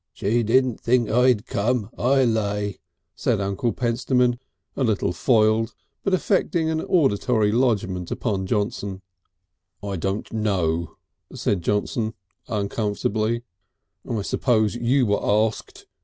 "She didn't think I'd come, I lay," said Uncle Pentstemon, a little foiled, but effecting an auditory lodgment upon Johnson. "I don't know," said Johnson uncomfortably. "I suppose you were asked.